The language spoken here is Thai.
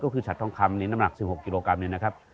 ก็คือฉัดทองคำนี้น้ำหนัก๑๖กิโลกรัมเนี่ยนะครับ